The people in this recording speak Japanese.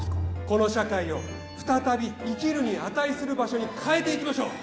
この社会を再び生きるに値する場所に変えていきましょう！